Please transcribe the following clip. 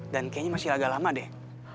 dan kayaknya masih agak lama deh